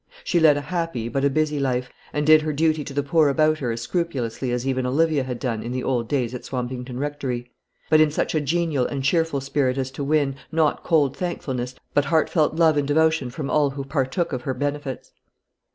She led a happy but a busy life, and did her duty to the poor about her as scrupulously as even Olivia had done in the old days at Swampington Rectory; but in such a genial and cheerful spirit as to win, not cold thankfulness, but heartfelt love and devotion from all who partook of her benefits.